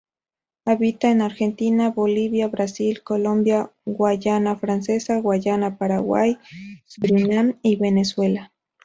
Habita en Argentina, Bolivia, Brasil, Colombia, Guayana Francesa, Guayana, Paraguay, Surinam y Venezuela.